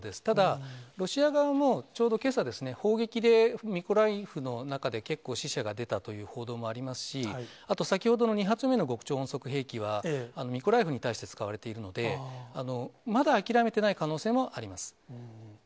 ただ、ロシア側も、ちょうどけさ、砲撃で、ミコライフの中で結構、死者が出たという報道もありますし、あと、先ほどの２発目の極超音速ミサイルは、ミコライフに対して使われているので、まだ諦めてない可能性もあります。